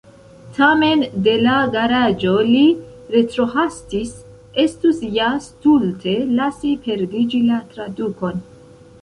Tamen de la garaĝo li retrohastis, estus ja stulte lasi perdiĝi la tradukon.